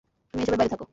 তুমি এসবের বাইরে থাকো।